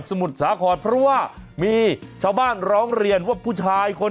สมุทรสหครพรวว่ามีเช้าบ้านร้องเรียนว่าผู้ชายคนนึง